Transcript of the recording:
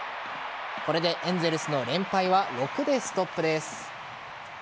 これでエンゼルスの連敗は６でストップです。